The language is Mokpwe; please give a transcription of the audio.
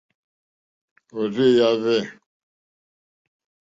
Òrzèèyá hwɛ̂.